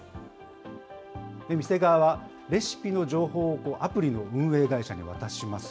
店側はレシピの情報をアプリの運営会社に渡します。